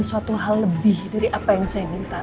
suatu hal lebih dari apa yang saya minta